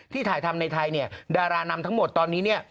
ที่ถ่ายทำในไทยดารานำทั้งหมดตอนนี้